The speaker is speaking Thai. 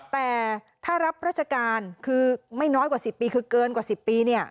แต่ถ้ารับราชการคือไม่น้อยกว่า๑๐ปีคือเกินกว่า๑๐ปีเนี่ย